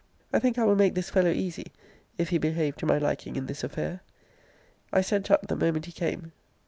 I think I will make this fellow easy, if he behave to my liking in this affair. I sent up the moment he came.